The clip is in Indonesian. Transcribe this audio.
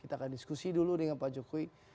kita akan diskusi dulu dengan pak jokowi